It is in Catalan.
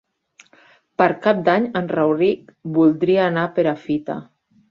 Per Cap d'Any en Rauric voldria anar a Perafita.